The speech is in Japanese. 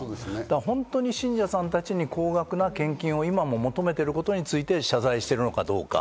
本当に信者さんたちに高額な献金を今も求めてることについて謝罪してるのかどうか。